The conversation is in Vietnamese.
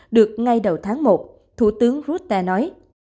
được ngay đầu tháng một thủ tướng rutte nói